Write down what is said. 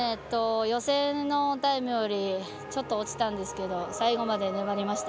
予選のタイムよりちょっと落ちたんですけど最後まで粘りました。